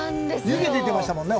湯気出てましたもんね。